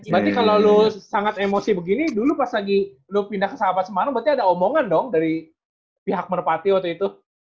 berarti kalau lo sangat emosi begini dulu pas lagi lo pindah ke sahabat semarang berarti ada omongan dong dari pihak merpati waktu itu